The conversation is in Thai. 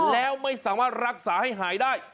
แล้วไม่สามารถรักษาให้หายได้